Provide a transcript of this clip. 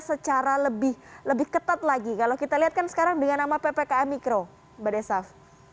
secara lebih ketat lagi kalau kita lihat kan sekarang dengan nama ppkm mikro mbak desaf